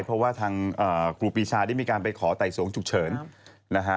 เพราะว่าทางปกปีชาครับที่ไม่การไปขอไตสลงฉุกเฉิน